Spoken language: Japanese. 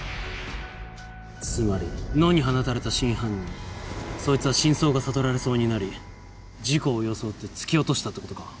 つまり野に放たれた真犯人そいつは真相が悟られそうになり事故を装って突き落としたって事か？